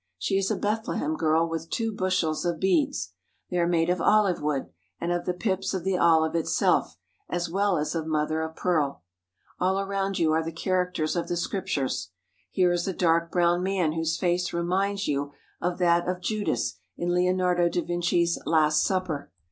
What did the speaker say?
She is a Bethlehem girl with two bushels of beads. They are made of olive wood and of the pips of the olive itself, as well as of mother of pearl. All around you are the characters of the Scriptures. Here is a dark brown man whose face reminds you of that of Judas in Leonardo da Vinci's "Last Supper."